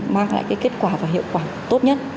mang lại cái kết quả và hiệu quả tốt nhất